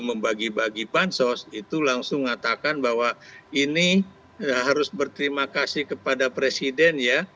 membagi bagi pansos itu langsung mengatakan bahwa ini harus berterima kasih kepada presiden ya